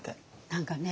何かね